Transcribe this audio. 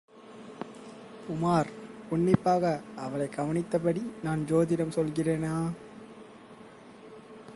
உமார் உன்னிப்பாக அவளைக் கவனித்தபடி நான் சோதிடம் சொல்கிறேனா?